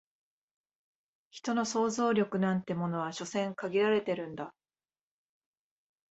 人の想像力なんてものは所詮限られてるんだ